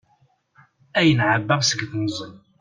Ayen ɛebbaɣ seg temẓi.